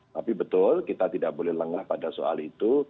tapi betul kita tidak boleh lengah pada soal itu